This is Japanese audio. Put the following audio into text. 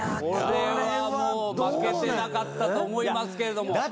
これは負けてなかったと思いますけれども。